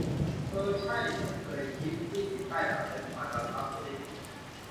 เอ้อ ใช่ ไม่เคยคิด นี่จิตใต้สำนึกมันบังคับมือให้พิมพ์ !